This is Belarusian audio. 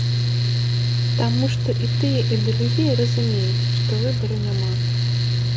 Таму што і тыя, і другія разумеюць, што выбараў няма.